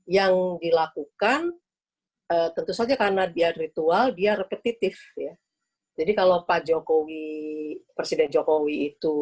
yang dilakukan tentu saja karena dia ritual dia repetitif ya jadi kalau pak jokowi presiden jokowi itu